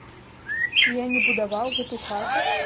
Ці я не будаваў гэту хату?